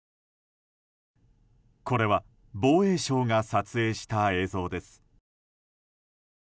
これは防衛省が撮影した映像です。